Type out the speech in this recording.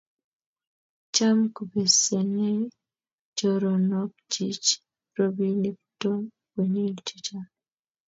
Cham kubesenei choronokchich robinik Tom konyil che chang'